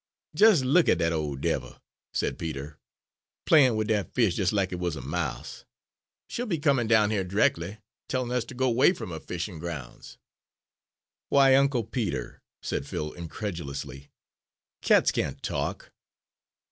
"Jes' look at dat ole devil," said Peter, "playin' wid dat fish jes' lack it wuz a mouse! She'll be comin' down heah terreckly tellin' us ter go 'way fum her fishin' groun's." "Why, Uncle Peter," said Phil incredulously, "cats can't talk!"